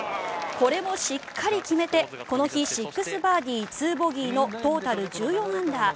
これもしっかり決めてこの日６バーディー２ボギートータル１４アンダー。